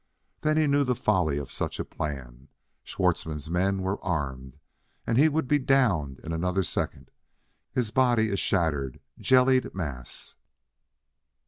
Then he knew the folly of such a plan: Schwartzmann's men were armed; he would be downed in another second, his body a shattered, jellied mass.